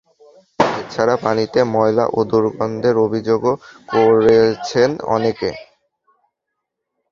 এ ছাড়া পানিতে ময়লা ও দুর্গন্ধের অভিযোগও করেছেন অনেকে।